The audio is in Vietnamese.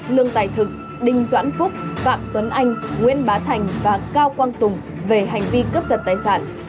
lương tài thực đinh doãn phúc phạm tuấn anh nguyễn bá thành và cao quang tùng về hành vi cướp giật tài sản